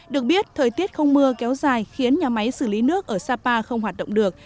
được biết thời tiết không mưa kéo dài khiến nhà máy xử lý nước ở sapa không hoạt động được